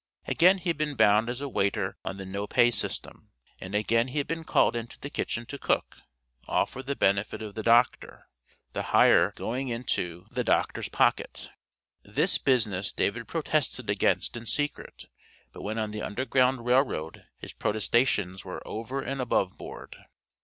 Again he had been bound as a waiter on the no pay system, and again he had been called into the kitchen to cook, all for the benefit of the Doctor the hire going into the Dr.'s pocket. This business David protested against in secret, but when on the Underground Rail Road his protestations were "over and above board."